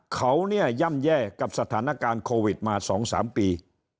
เขาเนี่ยย่ำแย่กับสถานการณ์โควิดมา๒๓ปี